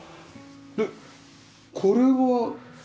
でこれは？